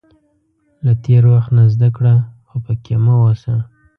• له تېر وخت نه زده کړه، خو پکې مه اوسه.